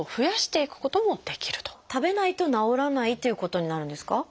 食べないと治らないということになるんですか？